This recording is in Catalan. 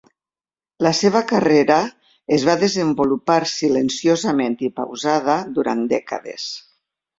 La seva carrera es va desenvolupar silenciosament i pausada durant dècades.